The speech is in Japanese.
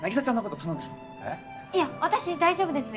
いや私大丈夫です。